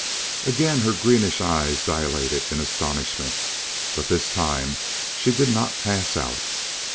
Again her greenish eyes dilated in astonishment, but this time she did not pass out.